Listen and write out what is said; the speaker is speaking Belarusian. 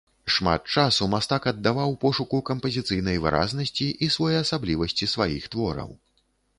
Шмат часу мастак аддаваў пошуку кампазіцыйнай выразнасці і своеасаблівасці сваіх твораў.